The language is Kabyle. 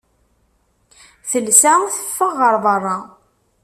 Telsa, teffeɣ ɣer berra.